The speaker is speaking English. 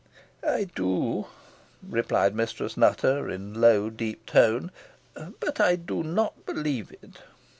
"I do," replied Mistress Nutter, in a low deep tone, "but I do not believe it."